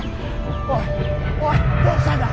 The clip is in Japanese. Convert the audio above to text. おいおいどうしたんだ？